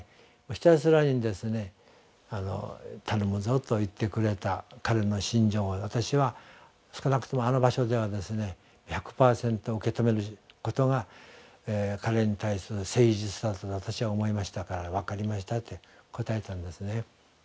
ひたすらに「頼むぞ」と言ってくれた彼の心情を私は少なくともあの場所では１００％受け止めることが彼に対する誠実さだと私は思いましたから「分かりました」って答えたんですね。